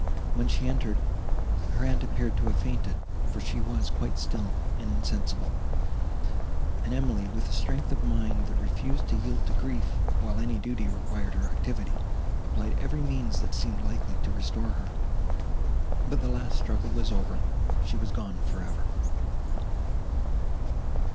When she entered, her aunt appeared to have fainted, for she was quite still, and insensible; and Emily with a strength of mind, that refused to yield to grief, while any duty required her activity, applied every means that seemed likely to restore her. But the last struggle was over—she was gone for ever.